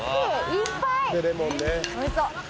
いっぱい！